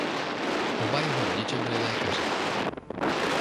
Oba jeho rodiče byli lékaři.